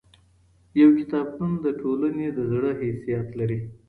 يو کتابتون د ټولني د زړه حيثيت لري.